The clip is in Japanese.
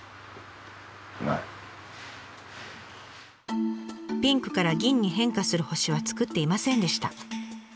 ピンクから銀に変化する星は作っていませんでした。